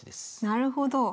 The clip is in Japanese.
なるほど。